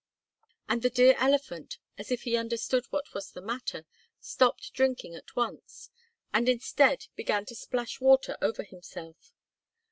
And the dear elephant, as if he understood what was the matter, stopped drinking at once, and instead, began to splash water over himself.